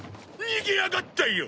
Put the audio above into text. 逃げやがったよ！